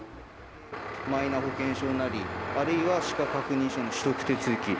マイナ保険証なり、あるいは資格確認書の取得手続き。